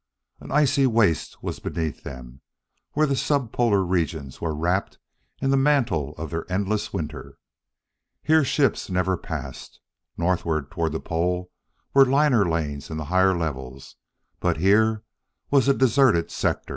An icy waste was beneath them, where the sub polar regions were wrapped in the mantle of their endless winter. Here ships never passed. Northward, toward the Pole, were liner lanes in the higher levels, but here was a deserted sector.